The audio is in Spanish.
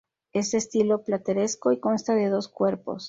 Es de estilo plateresco y consta de dos cuerpos.